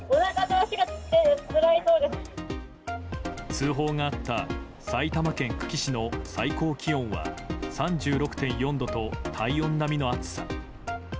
通報があった埼玉県久喜市の最高気温は３６．４度と体温並みの暑さ。